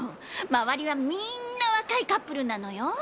周りはみんな若いカップルなのよ！